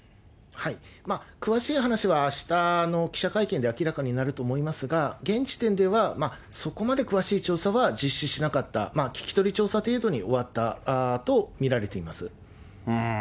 詳しい話はあしたの記者会見で明らかになると思いますが、現時点では、そこまで詳しい調査は実施しなかった、聞き取り調査程度に終わったと見られています。